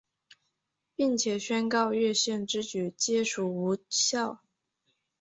并且宣告越线之举皆属无效。